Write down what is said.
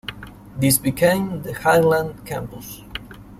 This became the Highland Campus.